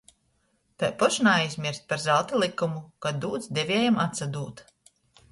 Taipoš naaizmierst par zalta lykumu, ka dūts deviejam atsadūd.